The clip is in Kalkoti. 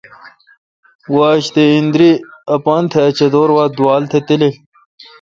واجتے° ایندری اپان تہ اچدور وا دووال تہ تلیل۔